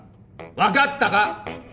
分かったか？